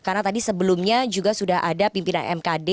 karena tadi sebelumnya juga sudah ada pimpinan mkd